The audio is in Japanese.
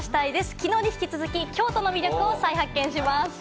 きのうに引き続き京都の魅力を再発見します。